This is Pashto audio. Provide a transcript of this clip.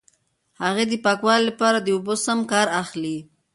هغې د پاکوالي لپاره د اوبو سم کار اخلي.